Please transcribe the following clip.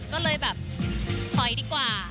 ก็เลยแบบถอยดีกว่า